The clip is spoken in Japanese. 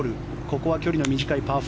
ここは距離の短いパー４。